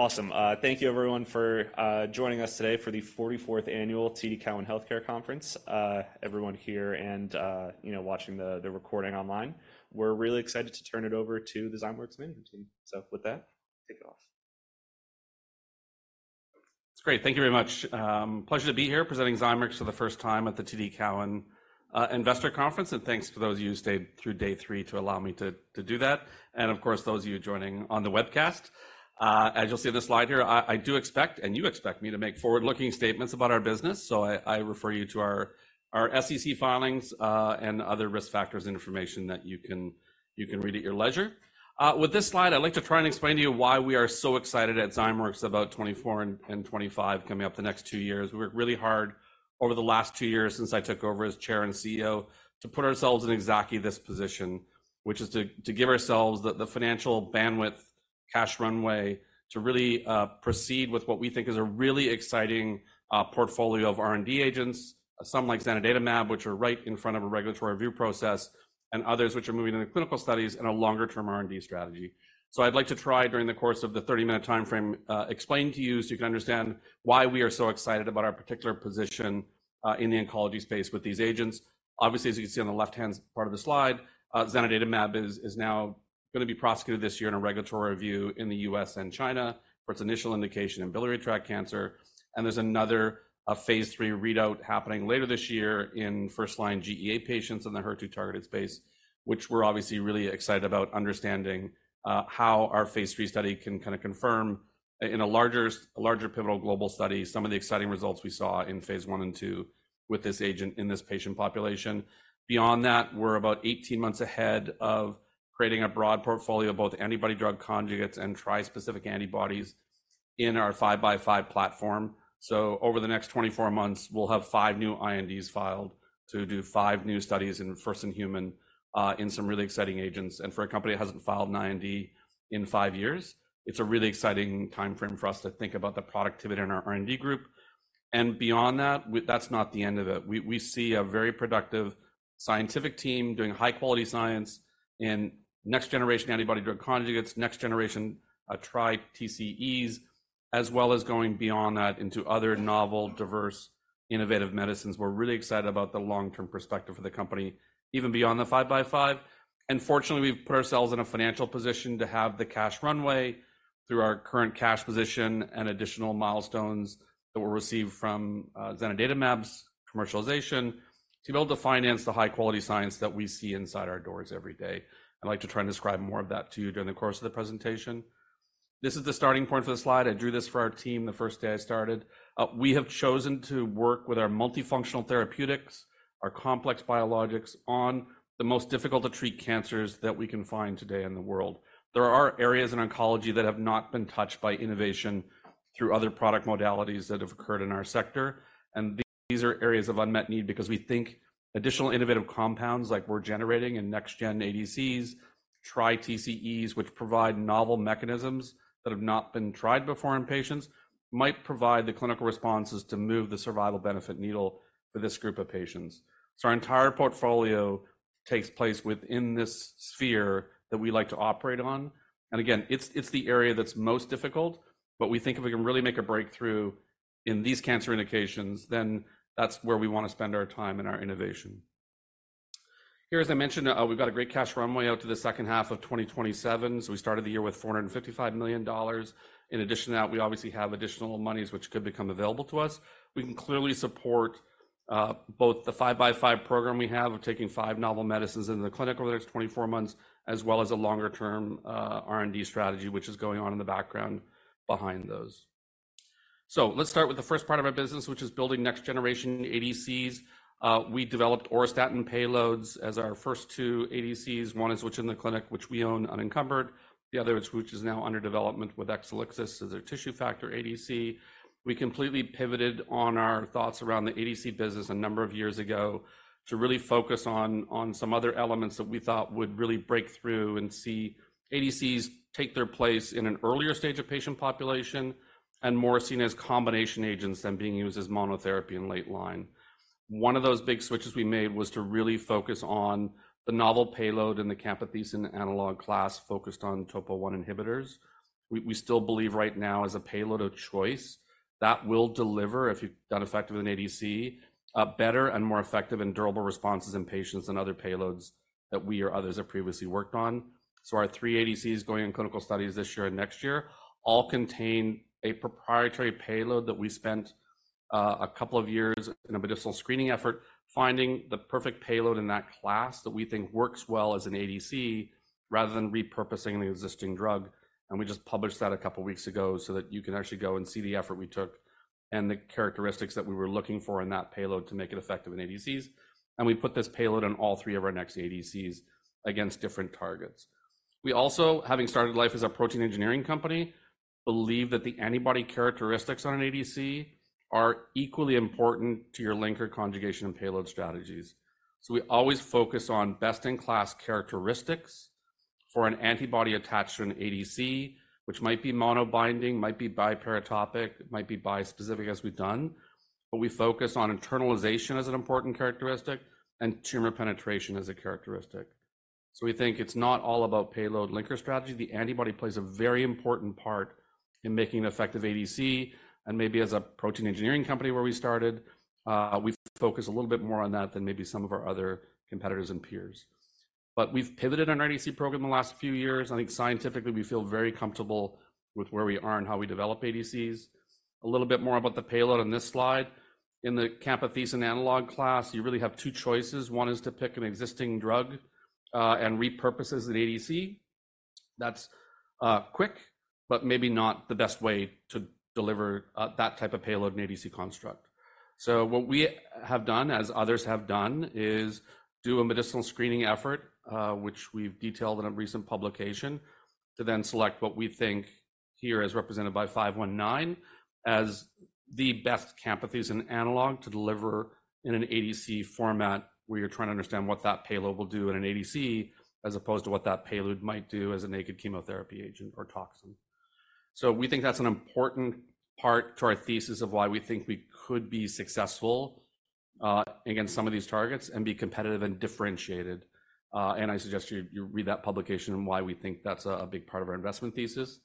Awesome. Thank you everyone for joining us today for the 44th Annual TD Cowen Health Care Conference, everyone here and, you know, watching the recording online. We're really excited to turn it over to the Zymeworks management team. So with that, take it off. It's great. Thank you very much. Pleasure to be here presenting Zymeworks for the first time at the TD Cowen Investor Conference, and thanks to those of you who stayed through day three to allow me to, to do that. Of course, those of you joining on the webcast, as you'll see on this slide here, I, I do expect and you expect me to make forward-looking statements about our business. So I, I refer you to our, our SEC filings, and other risk factors and information that you can, you can read at your leisure. With this slide, I'd like to try and explain to you why we are so excited at Zymeworks about 2024 and, and 2025 coming up the next two years. We worked really hard over the last 2 years since I took over as Chair and CEO to put ourselves in exactly this position, which is to give ourselves the financial bandwidth, cash runway to really proceed with what we think is a really exciting portfolio of R&D agents, some like zanidatamab, which are right in front of a regulatory review process, and others which are moving into clinical studies and a longer-term R&D strategy. So I'd like to try during the course of the 30-minute timeframe explain to you so you can understand why we are so excited about our particular position in the oncology space with these agents. Obviously, as you can see on the left-hand part of the slide, zanidatamab is now going to be prosecuted this year in a regulatory review in the U.S. And China for its initial indication in biliary tract cancer. And there's another phase 3 readout happening later this year in first line GEA patients in the HER2 targeted space, which we're obviously really excited about understanding how our phase 3 study can kind of confirm in a larger pivotal global study some of the exciting results we saw in phase 1 and 2 with this agent in this patient population. Beyond that, we're about 18 months ahead of creating a broad portfolio of both antibody-drug conjugates and trispecific antibodies in our 5 by 5 platform. So over the next 24 months, we'll have 5 new INDs filed to do 5 new studies in first-in-human in some really exciting agents. For a company that hasn't filed an IND in 5 years, it's a really exciting timeframe for us to think about the productivity in our R&D group. And beyond that, that's not the end of it. We, we see a very productive scientific team doing high-quality science in next-generation antibody drug conjugates, next-generation TriTCEs, as well as going beyond that into other novel, diverse, innovative medicines. We're really excited about the long-term perspective for the company, even beyond the 5 by 5. And fortunately, we've put ourselves in a financial position to have the cash runway through our current cash position and additional milestones that we'll receive from zanidatamab's commercialization to be able to finance the high-quality science that we see inside our doors every day. I'd like to try and describe more of that to you during the course of the presentation. This is the starting point for the slide. I drew this for our team the first day I started. We have chosen to work with our multifunctional therapeutics, our complex biologics on the most difficult to treat cancers that we can find today in the world. There are areas in oncology that have not been touched by innovation through other product modalities that have occurred in our sector, and these are areas of unmet need because we think additional innovative compounds like we're generating in next-gen ADCs, TriTCEs, which provide novel mechanisms that have not been tried before in patients, might provide the clinical responses to move the survival benefit needle for this group of patients. So our entire portfolio takes place within this sphere that we like to operate on. And again, it's, it's the area that's most difficult, but we think if we can really make a breakthrough in these cancer indications, then that's where we want to spend our time and our innovation. Here, as I mentioned, we've got a great cash runway out to the second half of 2027. So we started the year with $455 million. In addition to that, we obviously have additional monies which could become available to us. We can clearly support both the 5 by 5 program we have of taking 5 novel medicines into the clinic over the next 24 months, as well as a longer-term R&D strategy, which is going on in the background behind those. So let's start with the first part of our business, which is building next-generation ADCs. We developed auristatin payloads as our first two ADCs. One of which is in the clinic, which we own unencumbered. The other is which is now under development with Exelixis as their tissue factor ADC. We completely pivoted on our thoughts around the ADC business a number of years ago to really focus on some other elements that we thought would really break through and see ADCs take their place in an earlier stage of patient population and more seen as combination agents than being used as monotherapy in late line. One of those big switches we made was to really focus on the novel payload in the camptothecin analog class focused on TOPO1 inhibitors. We still believe right now as a payload of choice that will deliver if you've done effective in ADC, better and more effective and durable responses in patients than other payloads that we or others have previously worked on. So our three ADCs going in clinical studies this year and next year all contain a proprietary payload that we spent, a couple of years in a medicinal screening effort finding the perfect payload in that class that we think works well as an ADC rather than repurposing the existing drug. And we just published that a couple of weeks ago so that you can actually go and see the effort we took and the characteristics that we were looking for in that payload to make it effective in ADCs. And we put this payload on all three of our next ADCs against different targets. We also, having started life as a protein engineering company, believe that the antibody characteristics on an ADC are equally important to your linker conjugation and payload strategies. So we always focus on best in class characteristics for an antibody attached to an ADC, which might be mono binding, might be biparatopic, might be bispecific as we've done. But we focus on internalization as an important characteristic and tumor penetration as a characteristic. So we think it's not all about payload linker strategy. The antibody plays a very important part in making an effective ADC and maybe as a protein engineering company where we started, we focus a little bit more on that than maybe some of our other competitors and peers. But we've pivoted on our ADC program in the last few years. I think scientifically we feel very comfortable with where we are and how we develop ADCs. A little bit more about the payload on this slide. In the camptothecin analog class, you really have 2 choices. One is to pick an existing drug, and repurpose as an ADC. That's quick, but maybe not the best way to deliver that type of payload and ADC construct. So what we have done as others have done is do a medicinal screening effort, which we've detailed in a recent publication to then select what we think here is represented by 519 as the best camptothecin analog to deliver in an ADC format where you're trying to understand what that payload will do in an ADC, as opposed to what that payload might do as a naked chemotherapy agent or toxin. So we think that's an important part to our thesis of why we think we could be successful against some of these targets and be competitive and differentiated. And I suggest you read that publication and why we think that's a big part of our investment thesis.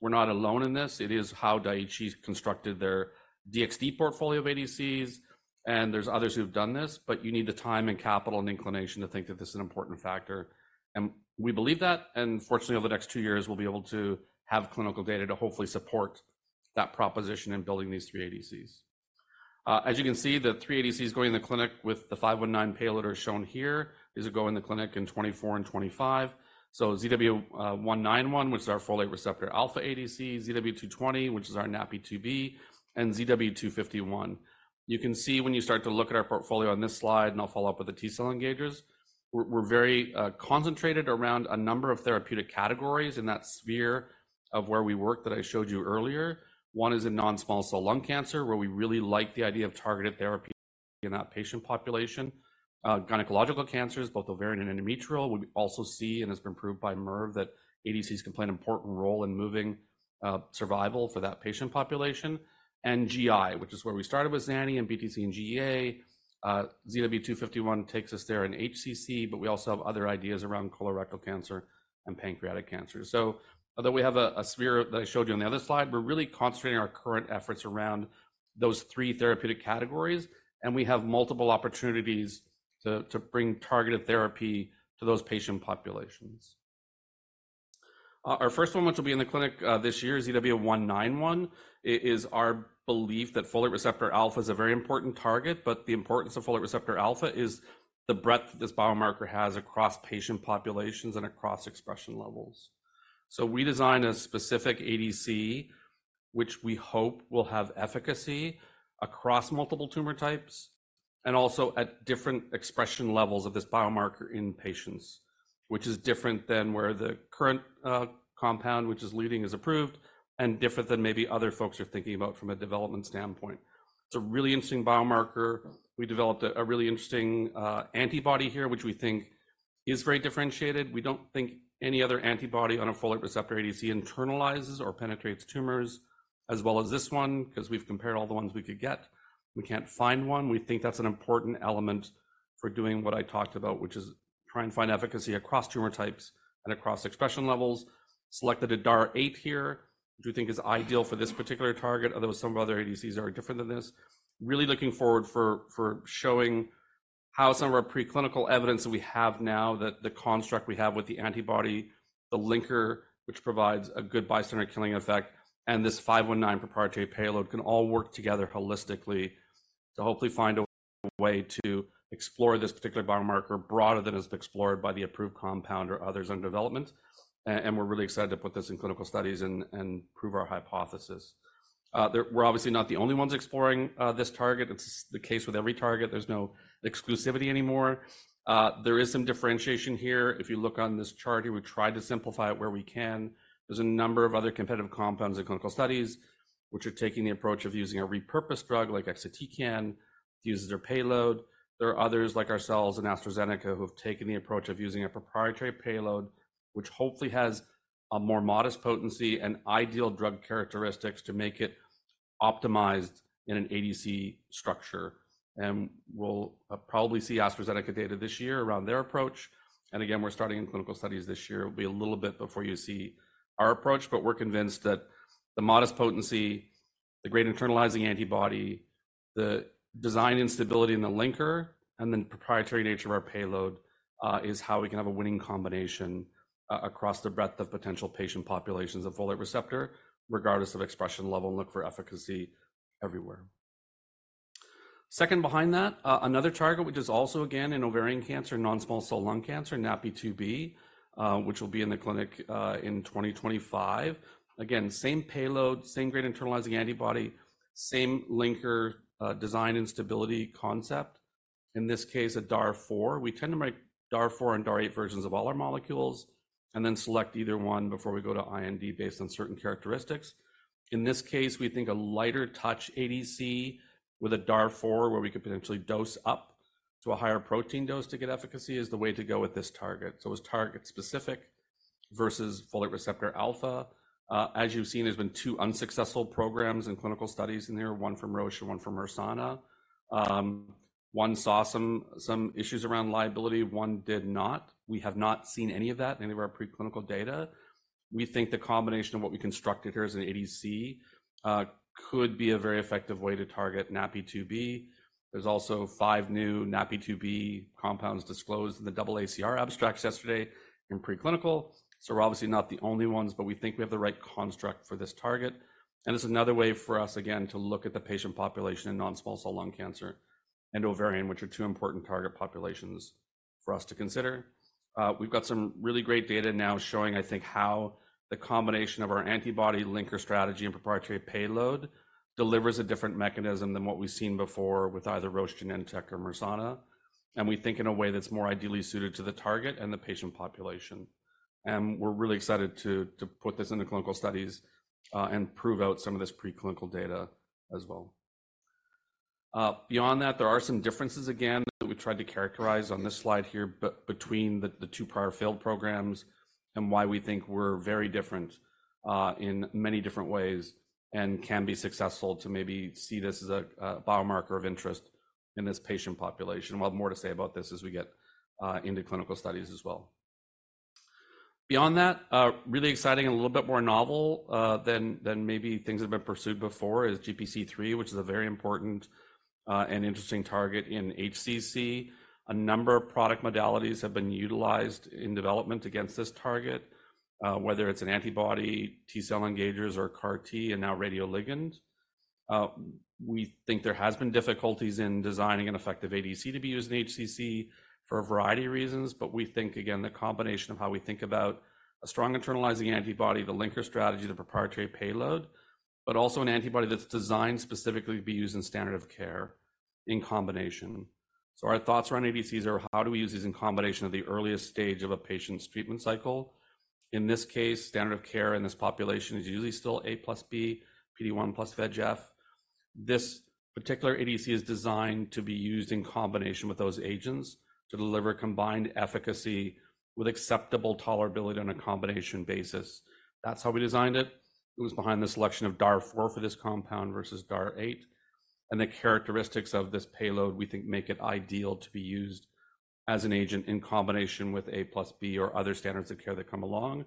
We're not alone in this. It is how Daiichi constructed their DXd portfolio of ADCs, and there's others who've done this, but you need the time and capital and inclination to think that this is an important factor. And we believe that, and fortunately over the next 2 years, we'll be able to have clinical data to hopefully support that proposition in building these 3 ADCs. As you can see, the 3 ADCs going in the clinic with the 519 payload are shown here as they go in the clinic in 2024 and 2025. So ZW191, which is our folate receptor alpha ADC, ZW220, which is our NaPi2b, and ZW251. You can see when you start to look at our portfolio on this slide, and I'll follow up with the T-cell engagers. We're very concentrated around a number of therapeutic categories in that sphere of where we work that I showed you earlier. One is in non-small cell lung cancer where we really like the idea of targeted therapy in that patient population. Gynecological cancers, both ovarian and endometrial, we also see and has been proved by Mirv that ADCs can play an important role in moving survival for that patient population. And GI, which is where we started with Zany and BTC and GEA, ZW251 takes us there in HCC, but we also have other ideas around colorectal cancer and pancreatic cancer. So, although we have a sphere that I showed you on the other slide, we're really concentrating our current efforts around those three therapeutic categories, and we have multiple opportunities to bring targeted therapy to those patient populations. Our first one, which will be in the clinic this year, is ZW191. It is our belief that folate receptor alpha is a very important target, but the importance of folate receptor alpha is the breadth this biomarker has across patient populations and across expression levels. So we design a specific ADC, which we hope will have efficacy across multiple tumor types. And also at different expression levels of this biomarker in patients, which is different than where the current compound, which is leading, is approved, and different than maybe other folks are thinking about from a development standpoint. It's a really interesting biomarker. We developed a really interesting antibody here, which we think is very differentiated. We don't think any other antibody on a folate receptor ADC internalizes or penetrates tumors as well as this one, because we've compared all the ones we could get. We can't find one. We think that's an important element for doing what I talked about, which is trying to find efficacy across tumor types and across expression levels. Selected a DAR 8 here, which we think is ideal for this particular target. Although some of other ADCs are different than this, really looking forward for showing how some of our preclinical evidence that we have now, that the construct we have with the antibody, the linker, which provides a good bystander killing effect, and this 519 proprietary payload can all work together holistically. To hopefully find a way to explore this particular biomarker broader than it's been explored by the approved compound or others in development. We're really excited to put this in clinical studies and prove our hypothesis. We're obviously not the only ones exploring this target. It's the case with every target. There's no exclusivity anymore. There is some differentiation here. If you look on this chart here, we tried to simplify it where we can. There's a number of other competitive compounds in clinical studies, which are taking the approach of using a repurposed drug like Exelixis uses their payload. There are others like ourselves and AstraZeneca who have taken the approach of using a proprietary payload, which hopefully has a more modest potency and ideal drug characteristics to make it optimized in an ADC structure. And we'll probably see AstraZeneca data this year around their approach. And again, we're starting in clinical studies this year. It'll be a little bit before you see our approach, but we're convinced that the modest potency, the great internalizing antibody, the design instability in the linker, and then proprietary nature of our payload, is how we can have a winning combination, across the breadth of potential patient populations of folate receptor, regardless of expression level and look for efficacy everywhere. Second behind that, another target, which is also again in ovarian cancer, non-small cell lung cancer, NaPi2b, which will be in the clinic, in 2025. Again, same payload, same great internalizing antibody, same linker, design instability concept. In this case, a DAR 4. We tend to make DAR 4 and DAR 8 versions of all our molecules. And then select either one before we go to IND based on certain characteristics. In this case, we think a lighter touch ADC with a DAR 4 where we could potentially dose up to a higher protein dose to get efficacy is the way to go with this target. So it was target specific versus folate receptor alpha. As you've seen, there's been 2 unsuccessful programs in clinical studies in here, 1 from Roche and 1 from Mersana. 1 saw some issues around liability, 1 did not. We have not seen any of that in any of our preclinical data. We think the combination of what we constructed here as an ADC could be a very effective way to target NAPI 2B. There's also 5 new NAPI 2B compounds disclosed in the AACR abstracts yesterday in preclinical. So we're obviously not the only ones, but we think we have the right construct for this target. It's another way for us, again, to look at the patient population in non-small cell lung cancer and ovarian, which are 2 important target populations for us to consider. We've got some really great data now showing, I think, how the combination of our antibody linker strategy and proprietary payload delivers a different mechanism than what we've seen before with either Roche and Mersana. And we're really excited to, to put this into clinical studies, and prove out some of this preclinical data as well. Beyond that, there are some differences again that we tried to characterize on this slide here, but between the 2 prior failed programs and why we think we're very different, in many different ways and can be successful to maybe see this as a biomarker of interest in this patient population. Well, more to say about this as we get into clinical studies as well. Beyond that, really exciting and a little bit more novel than maybe things that have been pursued before is GPC3, which is a very important and interesting target in HCC. A number of product modalities have been utilized in development against this target, whether it's an antibody T-cell engagers or CAR T and now radioligands. We think there has been difficulties in designing an effective ADC to be used in HCC for a variety of reasons, but we think, again, the combination of how we think about a strong internalizing antibody, the linker strategy, the proprietary payload, but also an antibody that's designed specifically to be used in standard of care in combination. So our thoughts around ADCs are how do we use these in combination of the earliest stage of a patient's treatment cycle? In this case, standard of care in this population is usually still A plus B, PD-1 plus VEGF. This particular ADC is designed to be used in combination with those agents to deliver combined efficacy with acceptable tolerability on a combination basis. That's how we designed it. It was behind the selection of DAR 4 for this compound versus DAR 8. The characteristics of this payload, we think, make it ideal to be used as an agent in combination with A plus B or other standards of care that come along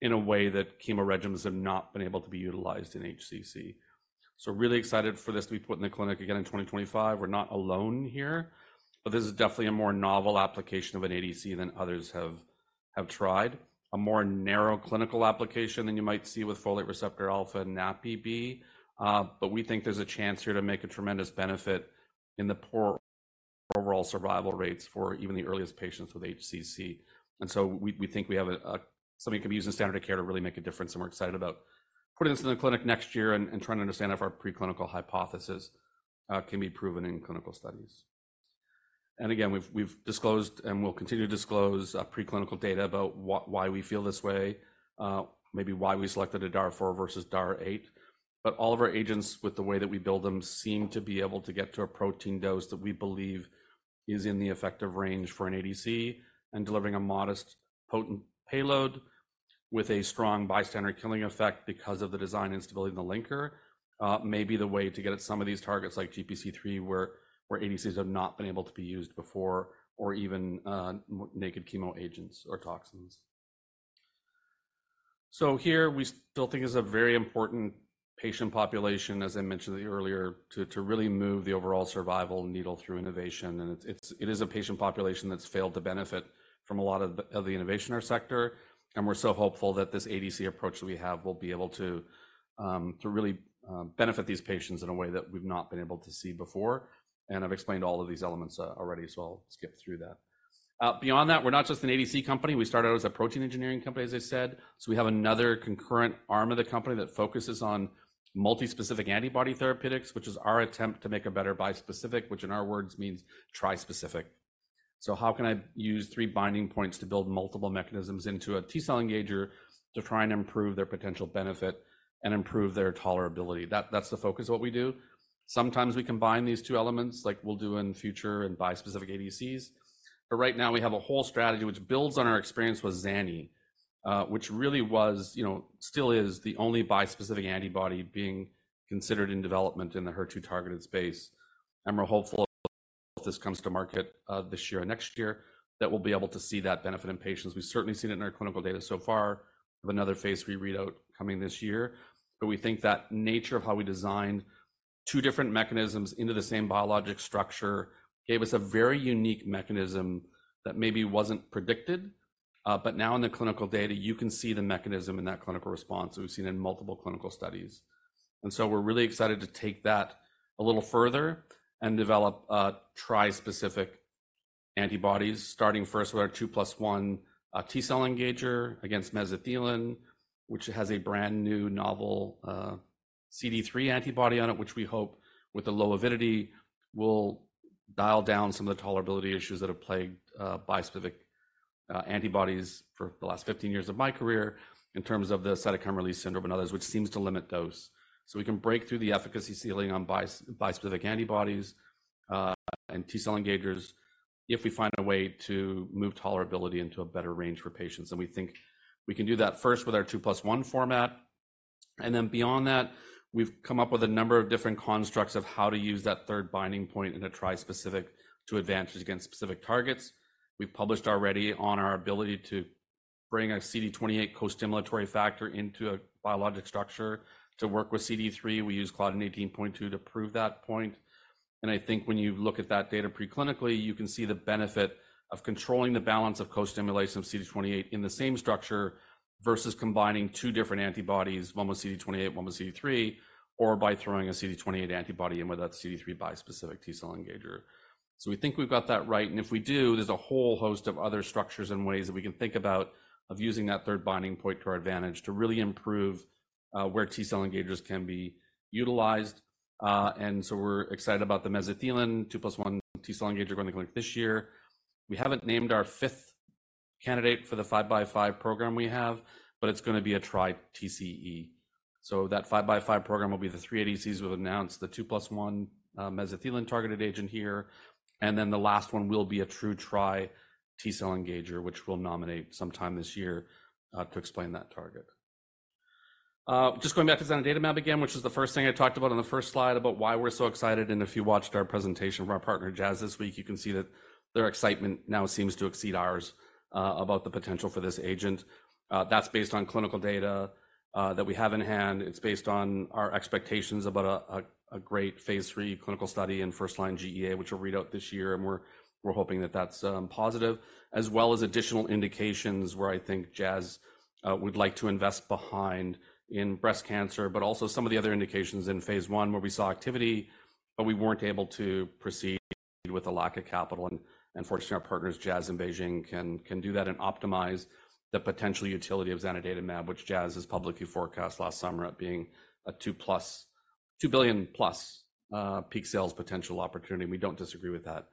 in a way that chemo regimens have not been able to be utilized in HCC. So really excited for this to be put in the clinic again in 2025. We're not alone here. But this is definitely a more novel application of an ADC than others have tried, a more narrow clinical application than you might see with folate receptor alpha and NaPi2b. But we think there's a chance here to make a tremendous benefit in the poor overall survival rates for even the earliest patients with HCC. And so we think we have something that can be used in standard of care to really make a difference, and we're excited about putting this in the clinic next year and trying to understand if our preclinical hypothesis can be proven in clinical studies. And again, we've, we've disclosed and we'll continue to disclose preclinical data about why we feel this way, maybe why we selected a DAR 4 versus DAR 8. But all of our agents, with the way that we build them, seem to be able to get to a protein dose that we believe is in the effective range for an ADC and delivering a modest potent payload with a strong bystander killing effect because of the design instability in the linker. Maybe the way to get at some of these targets like GPC3 where ADCs have not been able to be used before or even naked chemo agents or toxins. So here we still think it's a very important patient population, as I mentioned earlier, to really move the overall survival needle through innovation. And it's, it is a patient population that's failed to benefit from a lot of the innovation in our sector. And we're so hopeful that this ADC approach that we have will be able to really benefit these patients in a way that we've not been able to see before. And I've explained all of these elements already, so I'll skip through that. Beyond that, we're not just an ADC company. We started out as a protein engineering company, as I said. So we have another concurrent arm of the company that focuses on multi-specific antibody therapeutics, which is our attempt to make a better bispecific, which in our words means trispecific. So how can I use three binding points to build multiple mechanisms into a T-cell engager to try and improve their potential benefit and improve their tolerability? That's the focus of what we do. Sometimes we combine these two elements like we'll do in the future and bispecific ADCs. But right now we have a whole strategy which builds on our experience with Zany, which really was, you know, still is the only bispecific antibody being considered in development in the HER2-targeted space. And we're hopeful if this comes to market, this year or next year, that we'll be able to see that benefit in patients. We've certainly seen it in our clinical data so far. We have another phase 3 readout coming this year, but we think that nature of how we designed 2 different mechanisms into the same biologic structure gave us a very unique mechanism that maybe wasn't predicted. But now in the clinical data, you can see the mechanism in that clinical response that we've seen in multiple clinical studies. And so we're really excited to take that a little further and develop tri-specific antibodies, starting first with our 2+1 T-cell engager against mesothelin, which has a brand new novel CD3 antibody on it, which we hope with the low avidity will dial down some of the tolerability issues that have plagued bispecific antibodies for the last 15 years of my career in terms of the cytokine release syndrome and others, which seems to limit those. So we can break through the efficacy ceiling on bispecific antibodies, and T-cell engagers. If we find a way to move tolerability into a better range for patients, and we think we can do that first with our 2 + 1 format. And then beyond that, we've come up with a number of different constructs of how to use that third binding point in a trispecific to advance against specific targets. We've published already on our ability to bring a CD28 co-stimulatory factor into a biologic structure to work with CD3. We use Claudin 18.2 to prove that point. I think when you look at that data preclinically, you can see the benefit of controlling the balance of co-stimulation of CD28 in the same structure versus combining 2 different antibodies, 1 with CD28, 1 with CD3, or by throwing a CD28 antibody in with that CD3 bispecific T-cell engager. So we think we've got that right. And if we do, there's a whole host of other structures and ways that we can think about of using that 3rd binding point to our advantage to really improve, where T-cell engagers can be utilized. And so we're excited about the mesothelin 2+1 T-cell engager going to clinic this year. We haven't named our 5th candidate for the 5 by 5 program we have, but it's going to be a TriTCE. So that 5 by 5 program will be the three ADCs we've announced, the 2+1 mesothelin-targeted agent here, and then the last one will be a true Tri T-cell engager, which we'll nominate sometime this year, to explain that target. Just going back to zanidatamab again, which is the first thing I talked about on the first slide about why we're so excited. And if you watched our presentation from our partner Jazz this week, you can see that their excitement now seems to exceed ours, about the potential for this agent. That's based on clinical data that we have in hand. It's based on our expectations about a great phase 3 clinical study in 1st line GEA, which will read out this year, and we're hoping that's positive, as well as additional indications where I think Jazz would like to invest behind in breast cancer, but also some of the other indications in phase 1 where we saw activity, but we weren't able to proceed with a lack of capital. Unfortunately, our partners Jazz and BeiGene can do that and optimize the potential utility of zanidatamab, which Jazz publicly forecast last summer at being a $2+, $2 billion+ peak sales potential opportunity. We don't disagree with that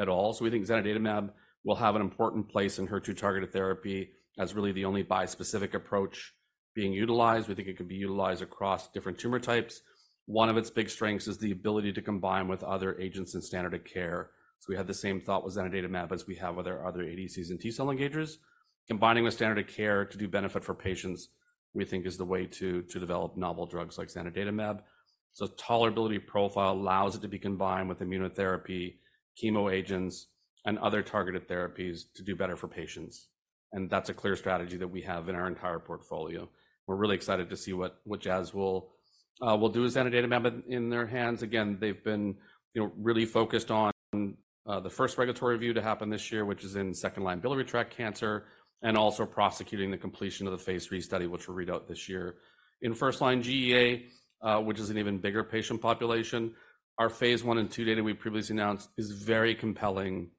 at all. So we think zanidatamab will have an important place in HER2 targeted therapy as really the only bispecific approach being utilized. We think it can be utilized across different tumor types. One of its big strengths is the ability to combine with other agents in standard of care. We had the same thought with zanidatamab as we have with our other ADCs and T-cell engagers. Combining with standard of care to do benefit for patients, we think is the way to develop novel drugs like zanidatamab. Tolerability profile allows it to be combined with immunotherapy, chemo agents, and other targeted therapies to do better for patients. And that's a clear strategy that we have in our entire portfolio. We're really excited to see what Jazz will do with zanidatamab in their hands. Again, they've been, you know, really focused on the first regulatory review to happen this year, which is in second-line biliary tract cancer, and also prosecuting the completion of the phase 3 study, which will read out this year in first-line GEA, which is an even bigger patient population. Our phase 1 and 2 data we previously announced is very compelling.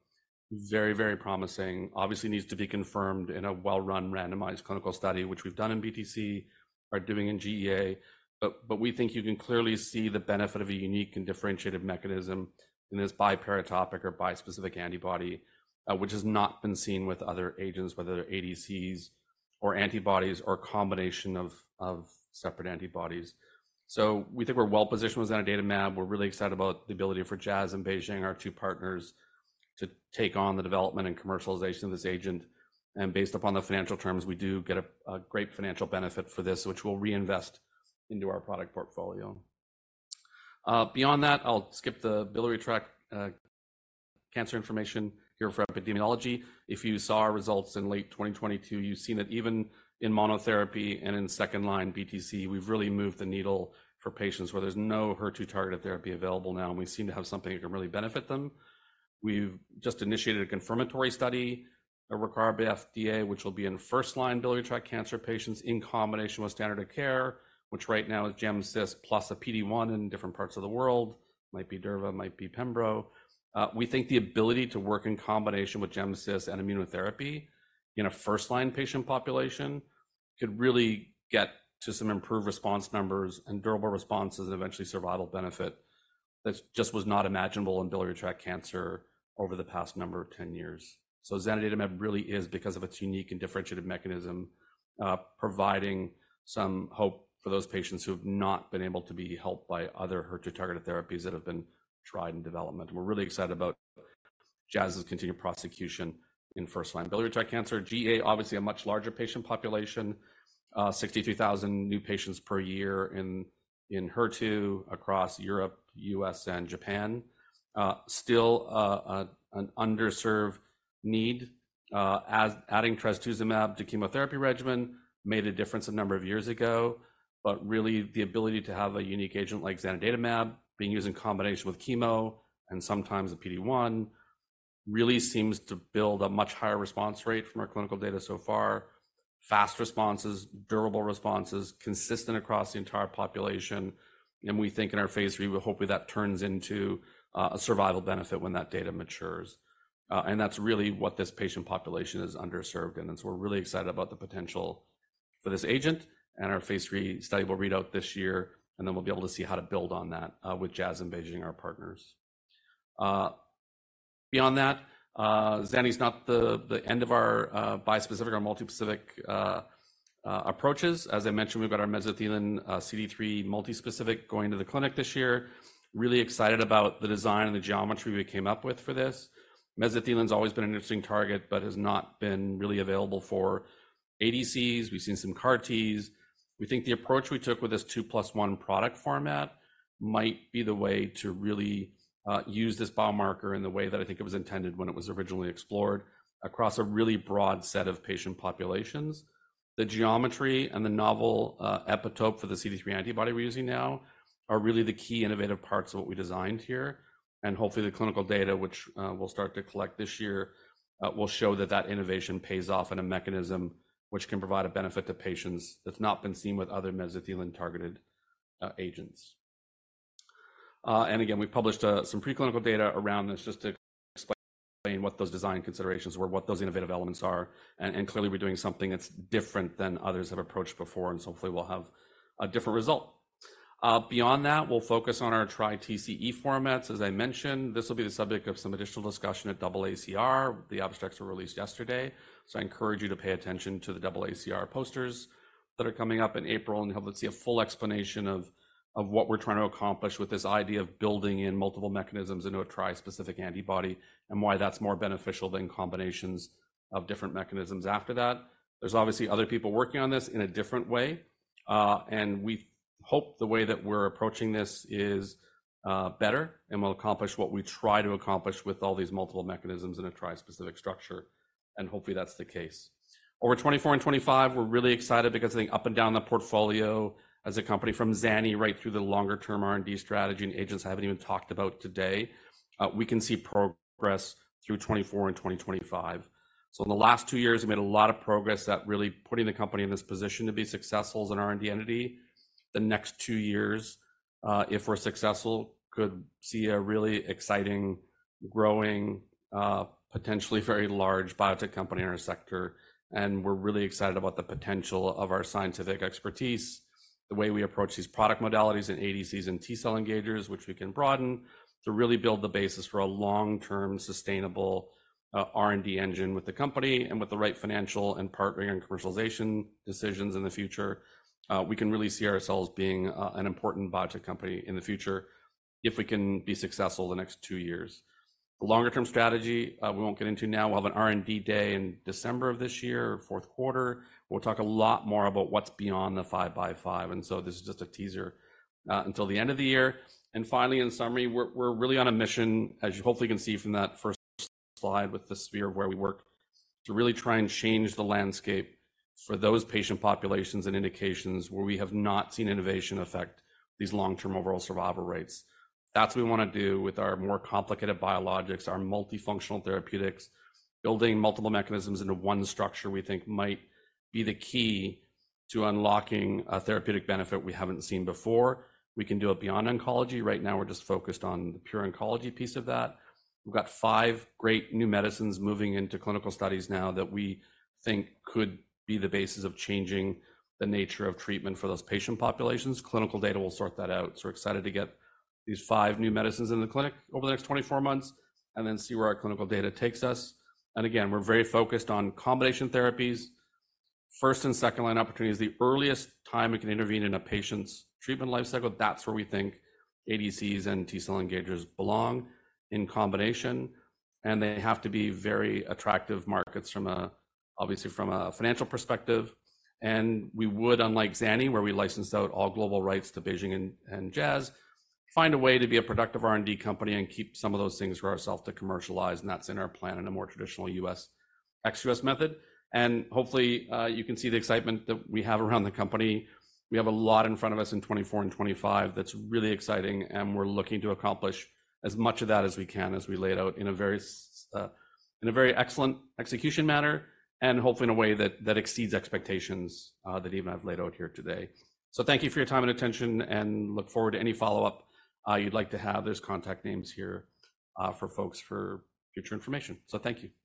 Very, very promising. Obviously, needs to be confirmed in a well-run, randomized clinical study, which we've done in BTC, are doing in GEA, but but we think you can clearly see the benefit of a unique and differentiated mechanism in this biparatopic or bispecific antibody, which has not been seen with other agents, whether they're ADCs or antibodies or a combination of of separate antibodies. So we think we're well positioned with zanidatamab. We're really excited about the ability for Jazz and BeiGene, our 2 partners, to take on the development and commercialization of this agent. Based upon the financial terms, we do get a great financial benefit for this, which we'll reinvest into our product portfolio. Beyond that, I'll skip the biliary tract cancer information here for epidemiology. If you saw our results in late 2022, you've seen that even in monotherapy and in 2nd line BTC, we've really moved the needle for patients where there's no HER2 targeted therapy available now, and we seem to have something that can really benefit them. We've just initiated a confirmatory study, a requirement FDA, which will be in 1st line biliary tract cancer patients in combination with standard of care, which right now is GemCis plus a PD-1 in different parts of the world. Might be Durva, might be Pembro. We think the ability to work in combination with GemCis and immunotherapy in a 1st line patient population could really get to some improved response numbers and durable responses and eventually survival benefit. That just was not imaginable in biliary tract cancer over the past number of 10 years. So zanidatamab really is, because of its unique and differentiated mechanism, providing some hope for those patients who have not been able to be helped by other HER2 targeted therapies that have been tried in development. And we're really excited about Jazz's continued prosecution in 1st line biliary tract cancer. GEA, obviously, a much larger patient population, 63,000 new patients per year in HER2 across Europe, U.S., and Japan. Still, an underserved need, as adding trastuzumab to chemotherapy regimen made a difference a number of years ago, but really the ability to have a unique agent like zanidatamab being used in combination with chemo and sometimes a PD-1 really seems to build a much higher response rate from our clinical data so far. Fast responses, durable responses, consistent across the entire population. And we think in our phase 3, we hope that turns into a survival benefit when that data matures. And that's really what this patient population is underserved in. And so we're really excited about the potential for this agent and our phase 3 study will read out this year, and then we'll be able to see how to build on that, with Jazz and BeiGene, our partners. Beyond that, zanidatamab's not the end of our bispecific or multi-specific approaches. As I mentioned, we've got our mesothelin CD3 multi-specific going to the clinic this year. Really excited about the design and the geometry we came up with for this. Mesothelin's always been an interesting target, but has not been really available for ADCs. We've seen some CAR-Ts. We think the approach we took with this 2 plus 1 product format might be the way to really use this biomarker in the way that I think it was intended when it was originally explored across a really broad set of patient populations. The geometry and the novel epitope for the CD3 antibody we're using now are really the key innovative parts of what we designed here. Hopefully the clinical data, which we'll start to collect this year, will show that that innovation pays off in a mechanism which can provide a benefit to patients that's not been seen with other mesothelin targeted agents. And again, we published some preclinical data around this just to explain what those design considerations were, what those innovative elements are, and clearly we're doing something that's different than others have approached before, and so hopefully we'll have a different result. Beyond that, we'll focus on our TriTCE formats. As I mentioned, this will be the subject of some additional discussion at AACR. The abstracts were released yesterday, so I encourage you to pay attention to the AACR posters that are coming up in April and hope to see a full explanation of what we're trying to accomplish with this idea of building in multiple mechanisms into a tri-specific antibody and why that's more beneficial than combinations of different mechanisms after that. There's obviously other people working on this in a different way, and we hope the way that we're approaching this is better and we'll accomplish what we try to accomplish with all these multiple mechanisms in a tri-specific structure. And hopefully that's the case. Over 2024 and 2025, we're really excited because I think up and down the portfolio as a company from Zany right through the longer term R&D strategy and agents we haven't even talked about today, we can see progress through 2024 and 2025. So in the last 2 years, we made a lot of progress that really put the company in this position to be successful as an R&D entity. The next 2 years, if we're successful, could see a really exciting, growing, potentially very large biotech company in our sector. And we're really excited about the potential of our scientific expertise. The way we approach these product modalities and ADCs and T cell engagers, which we can broaden to really build the basis for a long term sustainable, R&D engine with the company and with the right financial and partnering and commercialization decisions in the future, we can really see ourselves being an important biotech company in the future. If we can be successful the next 2 years. The longer term strategy, we won't get into now. We'll have an R&D day in December of this year, or 4th quarter. We'll talk a lot more about what's beyond the 5 by 5. So this is just a teaser until the end of the year. Finally, in summary, we're really on a mission, as you hopefully can see from that first slide with the sphere of where we work, to really try and change the landscape for those patient populations and indications where we have not seen innovation affect these long-term overall survival rates. That's what we want to do with our more complicated biologics, our multifunctional therapeutics. Building multiple mechanisms into one structure, we think might be the key to unlocking a therapeutic benefit we haven't seen before. We can do it beyond oncology. Right now, we're just focused on the pure oncology piece of that. We've got 5 great new medicines moving into clinical studies now that we think could be the basis of changing the nature of treatment for those patient populations. Clinical data will sort that out. So we're excited to get these 5 new medicines in the clinic over the next 24 months and then see where our clinical data takes us. And again, we're very focused on combination therapies. 1st and 2nd line opportunities, the earliest time we can intervene in a patient's treatment life cycle, that's where we think ADCs and T cell engagers belong in combination. And they have to be very attractive markets from a, obviously from a financial perspective. And we would, unlike Zany, where we license out all global rights to BeiGene and Jazz, find a way to be a productive R&D company and keep some of those things for ourselves to commercialize. That's in our plan in a more traditional U.S. ex-U.S. method. Hopefully, you can see the excitement that we have around the company. We have a lot in front of us in 2024 and 2025 that's really exciting, and we're looking to accomplish as much of that as we can as we laid out in a very, in a very excellent execution manner and hopefully in a way that that exceeds expectations, that even I've laid out here today. Thank you for your time and attention and look forward to any follow up you'd like to have. There's contact names here, for folks for future information. Thank you.